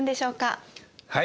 はい。